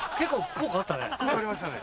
効果ありましたね。